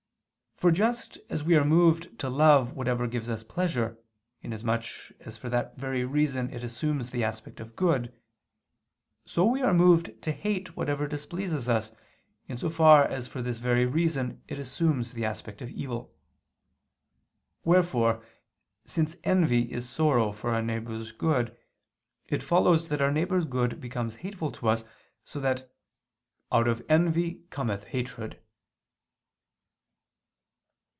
For just as we are moved to love whatever gives us pleasure, in as much as for that very reason it assumes the aspect of good; so we are moved to hate whatever displeases us, in so far as for this very reason it assumes the aspect of evil. Wherefore, since envy is sorrow for our neighbor's good, it follows that our neighbor's good becomes hateful to us, so that "out of envy cometh hatred."